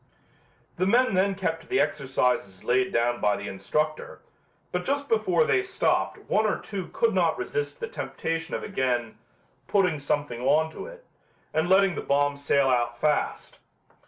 The men then kept to the exercises laid down by the instructor, but just before they stopped one or two could not resist the temptation of again "putting something on to it" and letting the bomb sail out fast.